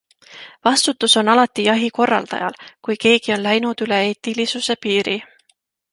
Vastutus on alati jahi korraldajal, kui keegi on läinud üle eetilisuse piiri.